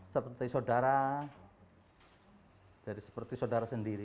seperti saudara jadi seperti saudara sendiri